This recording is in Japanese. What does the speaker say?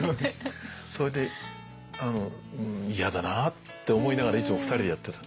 それで嫌だなって思いながらいつも２人でやってた。